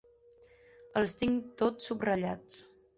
Els tinc tots subratllats.